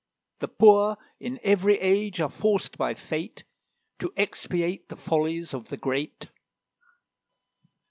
The poor in every age are forced by Fate To expiate the follies of the great.